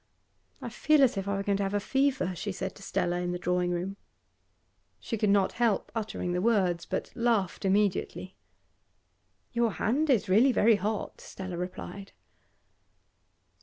'I feel as if I were going to have a fever,' she said to Stella in the drawing room. She could not help uttering the words, but laughed immediately. 'Your hand is really very hot,' Stella replied.